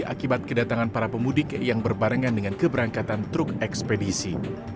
akibat kedatangan para pemudik yang berbarengan dengan keberangkatan truk ekspedisi